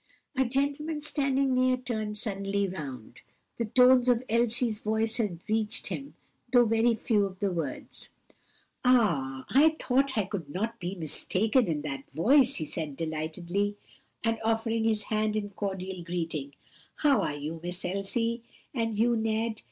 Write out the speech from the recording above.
A gentleman standing near turned suddenly round. The tones of Elsie's voice had reached him, though very few of the words. "Ah, I thought I could not be mistaken in that voice," he said delightedly, and offering his hand in cordial greeting. "How are you, Miss Elsie? and you, Ned?